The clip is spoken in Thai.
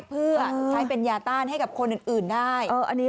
เพื่อใช้เป็นยาต้านให้กับคนอื่นได้